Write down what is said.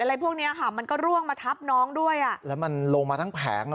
อะไรพวกเนี้ยค่ะมันก็ร่วงมาทับน้องด้วยอ่ะแล้วมันลงมาทั้งแผงอ่ะ